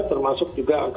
termasuk juga fisa dua kali